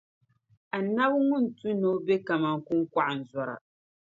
Anabi ŋun tu ni o be kaman kuŋkɔɣinzɔra.